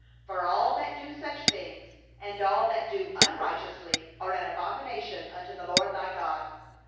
16For all that do such things, even all that do unrighteously, are an abomination unto the LORD thy God.